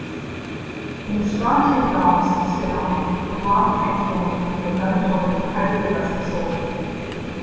In the "Strontium Dogs" spinoff, the Gronk transformed into a gun-toting highly aggressive soldier.